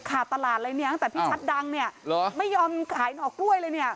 ขาดตลาดเลยเนี่ยตั้งแต่พี่ชัดดังเนี่ยเหรอไม่ยอมขายหน่อกล้วยเลยเนี่ย